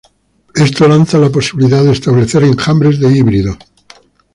Esto lanza la posibilidad de establecer enjambres de híbridos.